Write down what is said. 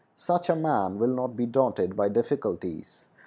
Such a man will not be daunted by difficulties.